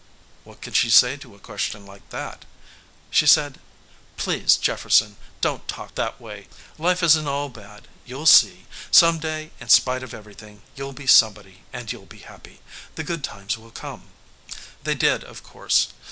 What could she say to a question like that? She said: "Please, Jefferson! Please don't talk that way. Life isn't all bad. You'll see. Some day, in spite of everything, you'll be somebody and you'll be happy. The good times will come." They did, of course.